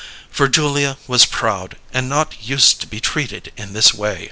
For Julia was proud, and not used to be treated in this way.